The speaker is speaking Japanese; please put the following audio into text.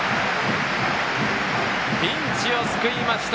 ピンチを救いました。